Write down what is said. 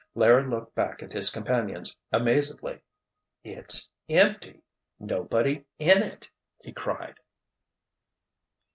Larry looked back at his companions, amazedly. "It's—empty—nobody in it!" he cried.